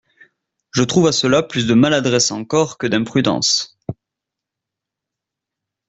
Je trouve à cela plus de maladresse encore que d'imprudence.